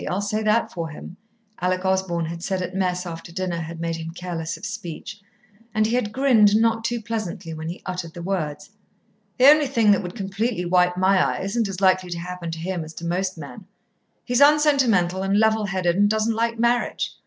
I'll say that for him," Alec Osborn had said at mess after dinner had made him careless of speech, and he had grinned not too pleasantly when he uttered the words. "The only thing that would completely wipe my eye isn't as likely to happen to him as to most men. He's unsentimental and level headed, and doesn't like marriage.